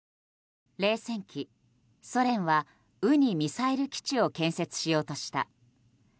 冷戦期、ソ連は「ウ」にミサイル基地を建設しようとした。